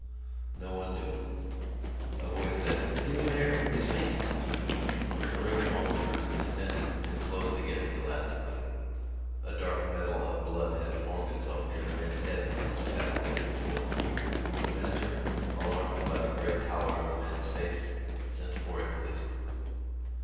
No one knew; a voice said: "Give him air. He's fainted." The ring of onlookers distended and closed again elastically. A dark medal of blood had formed itself near the man's head on the tessellated floor. The manager, alarmed by the grey pallor of the man's face, sent for a policeman.